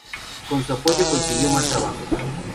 Con su apoyo, consiguió más trabajos.